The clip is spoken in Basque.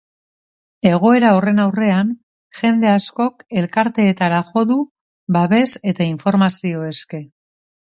Egoera horren aurrean, jende askok elkarteetara jo dute babes eta informazio eske.